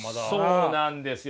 そうなんですよ。